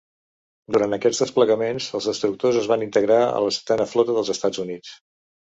Durant aquests desplegaments, els destructors es van integrar a la Setena Flota dels Estats Units.